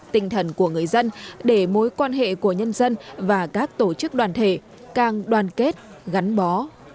tinh thần của người dân để mối quan hệ của nhân dân và các tổ chức đoàn thể càng đoàn kết gắn bó